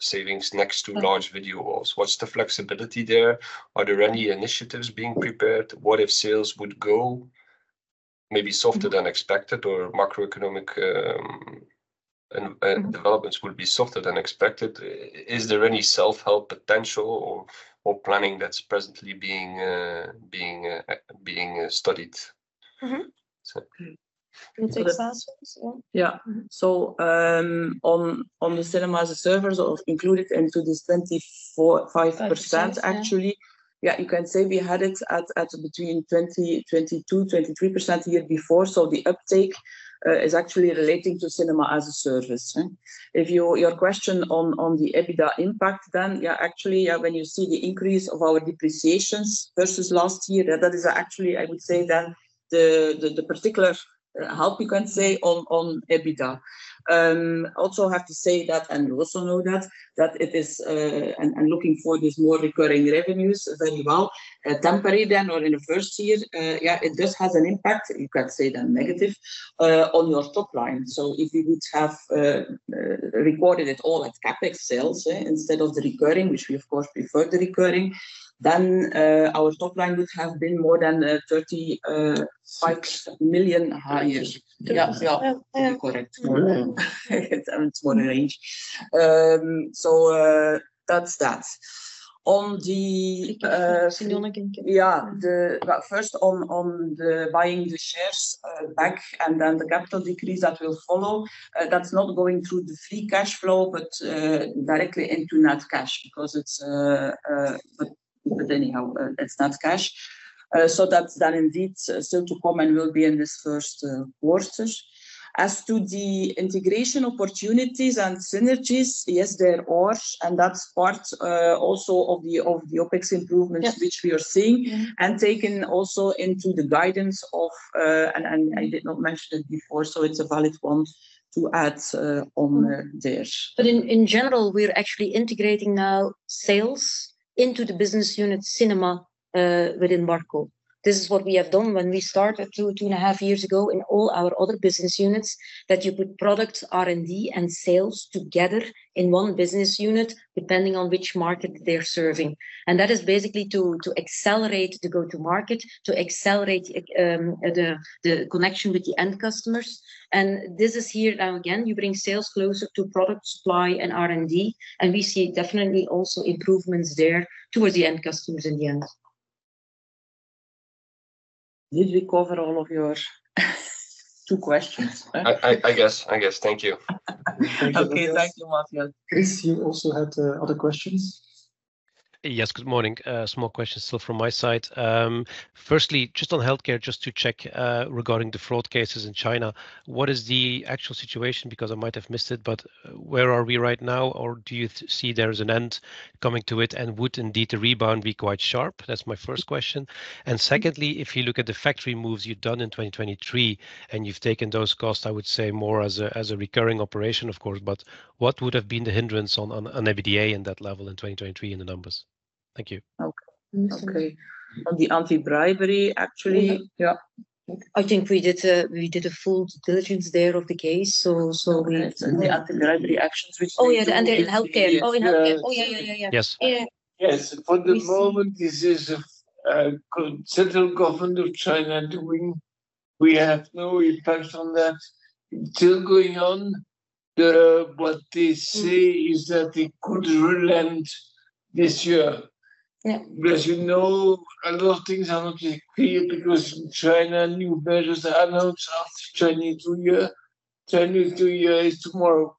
savings next to large video walls? What's the flexibility there? Are there any initiatives being prepared? What if sales would go maybe softer than expected or macroeconomic and developments would be softer than expected? Is there any self-help potential or planning that's presently being studied? Mm-hmm. Can you take answers? Yeah. Yeah. So, on the Cinema-as-a-Service of included into this 24.5%- Five percent. Actually, yeah, you can say we had it at between 22-23% year before. So the uptake is actually relating to Cinema-as-a-Service, right? If your question on the EBITDA impact, then yeah, actually, when you see the increase of our depreciations versus last year, that is actually, I would say, then the particular help you can say on EBITDA. Also have to say that, and you also know that that it is and looking for these more recurring revenues very well, temporary then or in the first year, yeah, it just has an impact, you can say then negative on your top line. If you would have recorded it all as CapEx sales, instead of the recurring, which we of course prefer the recurring, then our top line would have been more than 35 million higher. Yeah. Yeah, yeah. Correct. Wow! It's more range. That's that.... Yeah. Well, first, on the buying the shares back and then the capital decrease that will follow, that's not going through the free cash flow, but directly into net cash, because it's but anyhow, it's not cash. So that's that indeed still to come and will be in this Q1. As to the integration opportunities and synergies, yes, there are, and that's part also of the OpEx improvements- Yes... which we are seeing. Mm-hmm. And taken also into the guidance of, and I did not mention it before, so it's a valid point to add, on this. But in general, we're actually integrating now sales into the business unit Cinema within Barco. This is what we have done when we started 2.5 years ago in all our other business units, that you put product R&D and sales together in one business unit, depending on which market they're serving. And that is basically to accelerate the go-to-market, to accelerate the connection with the end customers. And this is here now again, you bring sales closer to product supply and R&D, and we see definitely also improvements there towards the end customers in the end. Did we cover all of your two questions? I guess. Thank you. Okay. Thank you, Matthias. Kris, you also had other questions? Yes. Good morning. Small questions still from my side. Firstly, just on healthcare, just to check, regarding the fraud cases in China, what is the actual situation? Because I might have missed it, but where are we right now, or do you see there is an end coming to it, and would indeed the rebound be quite sharp? That's my first question. And secondly- Mm... if you look at the factory moves you've done in 2023, and you've taken those costs, I would say more as a recurring operation, of course, but what would have been the hindrance on EBITDA in that level in 2023 in the numbers? Thank you. Okay. Mm. Okay. On the anti-bribery, actually. Yeah. I think we did a full diligence there of the case, so, so we- The anti-bribery actions which- Oh, yeah, and in healthcare. Oh, in healthcare. Oh, yeah, yeah, yeah, yeah. Yes. Yes. For the moment, this is central government of China doing. We have no impact on that. It's still going on. What they say is that they could relent this year. Yeah. You know, a lot of things are not clear because China, new measures are announced after 2022 year. 2022 year is tomorrow.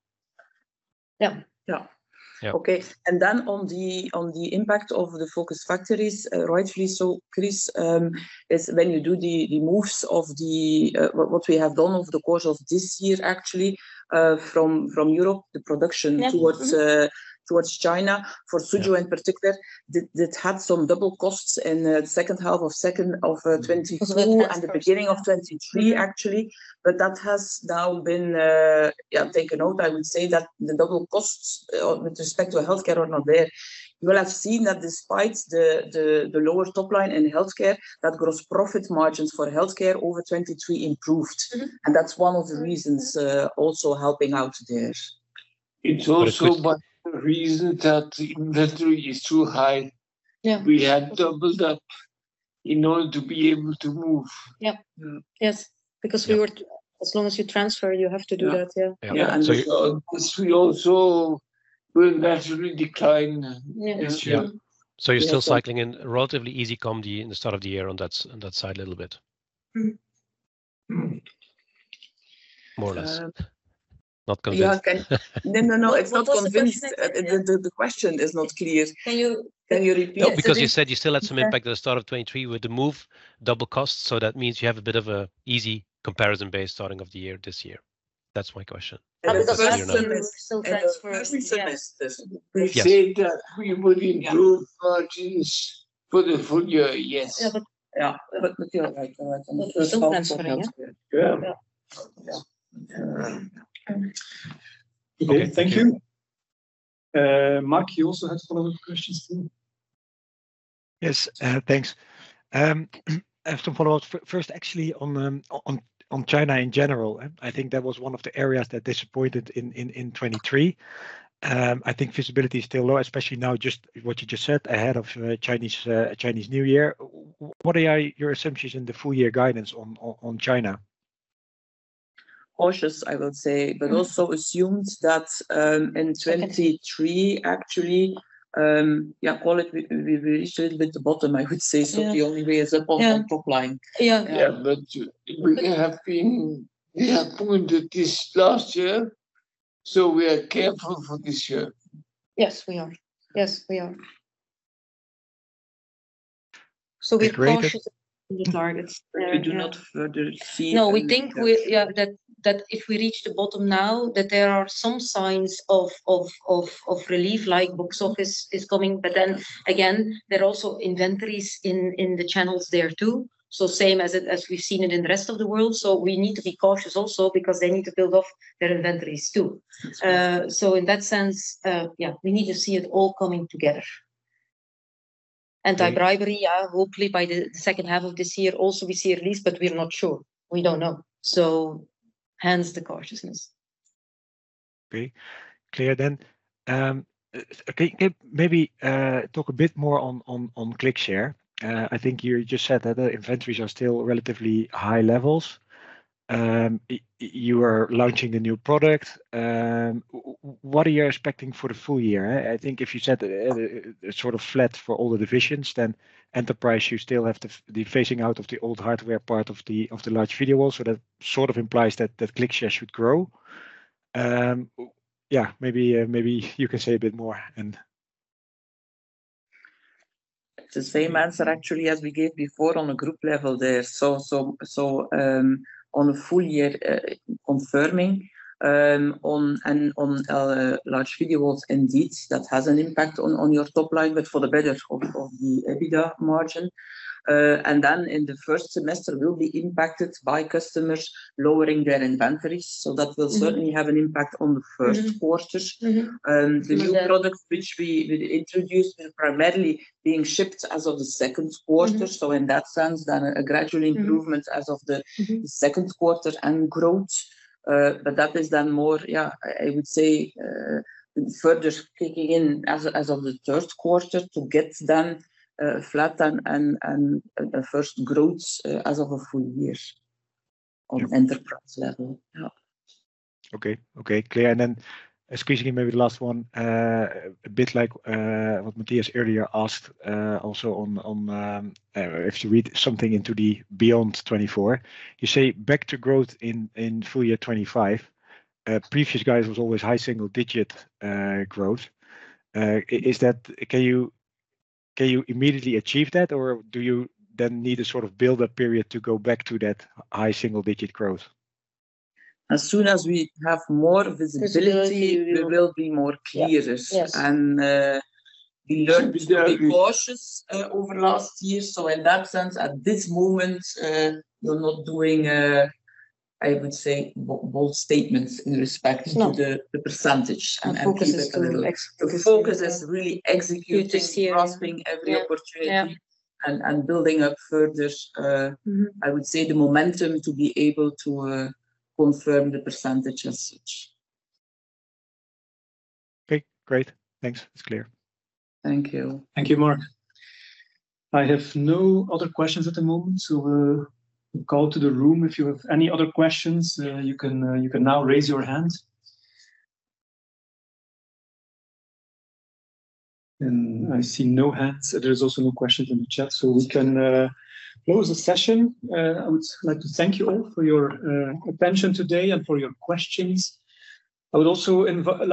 Yeah. Yeah. Yeah. Okay. Then on the impact of the focus factories, rightfully so, Kris, is when you do the moves of what we have done over the course of this year, actually, from Europe, the production- Yeah. Mm-hmm... towards China, for Suzhou in particular- Mm... it, it had some double costs in the H2 of 2022- Twenty two... and the beginning of 2023, actually, but that has now been, yeah, taken out. I would say that the double costs with respect to healthcare are not there. You will have seen that despite the lower top line in healthcare, that gross profit margins for healthcare over 2023 improved. Mm-hmm. That's one of the reasons, also helping out there. It's also one of the reasons that the inventory is too high. Yeah. We had doubled up in order to be able to move. Yeah. Yes, because as long as you transfer, you have to do that. Yeah. Yeah. Yeah, and so this will also naturally decline next year. Yeah. So you're still cycling in relatively easy comp to the start of the year on that, on that side a little bit? Mm. Mm. More or less. Not convinced. Yeah. No, no, no, it's not convinced. The question is not clear. Can you- Can you repeat? No, because you said you still had some impact at the start of 2023 with the move, double cost, so that means you have a bit of an easy comparison base starting of the year, this year. That's my question. The first semester. Still transferring, yes. The first semester- Yes... we said that we would improve margins for the full year. Yes. Yeah, but- Yeah, but we feel like- Still transferring, yeah? Yeah. Yeah. Yeah. Okay. Thank you... Marc, you also had follow-up questions too? Yes. Thanks. I have some follow-ups. First, actually, on China in general. I think that was one of the areas that disappointed in 2023. I think visibility is still low, especially now, just what you just said, ahead of Chinese New Year. What are your assumptions in the full-year guidance on China? Cautious, I would say, but also assumes that in 2023, actually, yeah, quality, we reached a bit the bottom, I would say. Yeah. The only way is up on top line. Yeah. Yeah, but we have pointed this last year, so we are careful for this year. Yes, we are. Yes, we are. So- So we're cautious in the targets. We do not further see- No, we think that if we reach the bottom now, that there are some signs of relief, like box office is coming. But then again, there are also inventories in the channels there too. So same as it as we've seen it in the rest of the world. So we need to be cautious also because they need to build off their inventories too. That's right. So in that sense, yeah, we need to see it all coming together. Anti-bribery, hopefully by the H2 of this year also we see a release, but we're not sure. We don't know. So hence the cautiousness. Okay. Clear then. Okay, maybe talk a bit more on ClickShare. I think you just said that the inventories are still relatively high levels. You are launching a new product. What are you expecting for the full year? I think if you said sort of flat for all the divisions, then enterprise, you still have to the phasing out of the old hardware part of the large video wall. So that sort of implies that the ClickShare should grow. Yeah, maybe you can say a bit more and... It's the same answer actually as we gave before on a group level there. So, on a full year, confirming, on large video walls, indeed, that has an impact on your top line, but for the better of the EBITDA margin. And then in the first semester, we'll be impacted by customers lowering their inventories. Mm-hmm. That will certainly have an impact on the Q1. Mm-hmm. The new products, which we introduced, is primarily being shipped as of the Q2. Mm-hmm. So in that sense, then a gradual improvement- Mm-hmm... as of the Q2 and growth. But that is then more, yeah, I would say, further kicking in as of the Q3 to get then flat and first growth as of a full years- Yeah... on enterprise level. Yeah. Okay. Okay, clear. And then excuse me, maybe the last one, a bit like what Matthias earlier asked, also on, on, if you read something into the beyond 2024, you say back to growth in, in full year 2025. Previous guys was always high single digit, growth. Is that— Can you, can you immediately achieve that, or do you then need a sort of build-up period to go back to that high single digit growth? As soon as we have more visibility- Visibility we will be more clear. Yes. We learned to be cautious over last year. So in that sense, at this moment, we're not doing, I would say, bold, bold statements in respect- No... to the percentage. Focus is- The focus is really executing- This year... grasping every opportunity- Yeah, yeah... and building up further. Mm-hmm... I would say the momentum to be able to, confirm the percentage as such. Okay, great. Thanks. It's clear. Thank you. Thank you, Marc. I have no other questions at the moment, so we'll go to the room. If you have any other questions, you can, you can now raise your hand. And I see no hands. There is also no questions in the chat, so we can close the session. I would like to thank you all for your attention today and for your questions. I would also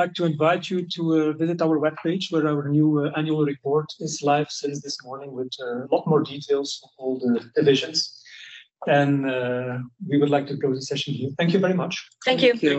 like to invite you to visit our webpage, where our new annual report is live since this morning, with a lot more details on all the divisions. And we would like to close the session here. Thank you very much. Thank you. Thank you.